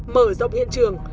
mở rộng hiện trường